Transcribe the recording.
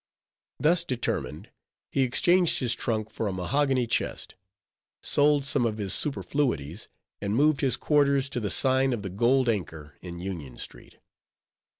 Thus determined, he exchanged his trunk for a mahogany chest; sold some of his superfluities; and moved his quarters to the sign of the Gold Anchor in Union street.